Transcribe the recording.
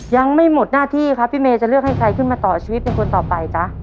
ยังไม่หมดหน้าที่ครับพี่เมย์จะเลือกให้ใครขึ้นมาต่อชีวิตเป็นคนต่อไปจ๊ะ